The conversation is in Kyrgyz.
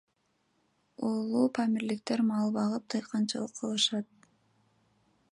Улуупамирликтер мал багып, дыйканчылык кылышат.